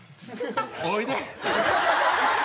おいで！